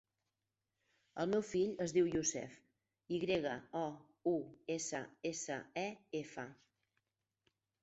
El meu fill es diu Youssef: i grega, o, u, essa, essa, e, efa.